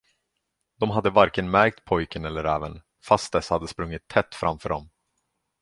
De hade varken märkt pojken eller räven, fast dessa hade sprungit tätt framför dem.